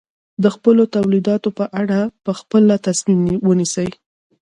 د خپلو تولیداتو په اړه په خپله تصمیم ونیسي.